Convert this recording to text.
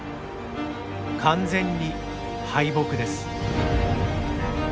完全に敗北です。